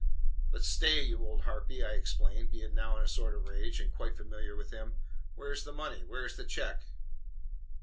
"But stay, you old harpy!" I exclaimed, being now in a sort of rage, and quite familiar with him. "Where is the money? Where is the check?"